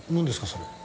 それ。